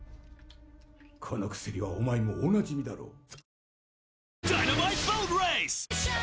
この薬はお前もおなじみだろう？